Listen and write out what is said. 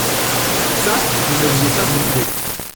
Ca, je ne le lui ai pas demandé.